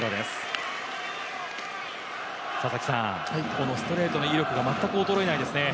このストレートの威力が全く衰えないですね。